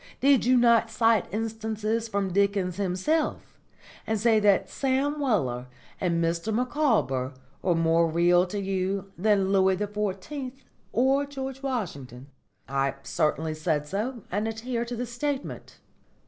Did you not cite instances from Dickens himself and say that Sam Weller and Mr Micawber were more real to you than Louis XIV or George Washington?" "I certainly said so, and adhere to the statement."